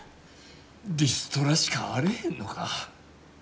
リストラしかあれへんのか。